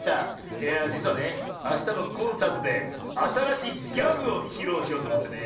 いやあじつはねあしたのコンサートであたらしいギャグをひろうしようとおもってね。